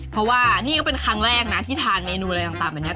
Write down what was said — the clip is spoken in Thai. เพราะว่านี่ก็เป็นครั้งแรกนะที่ทานเมนูอะไรต่างแบบนี้